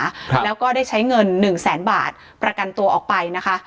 ครับแล้วก็ได้ใช้เงินหนึ่งแสนบาทประกันตัวออกไปนะคะ